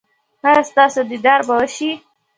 ایا ستاسو دیدار به وشي؟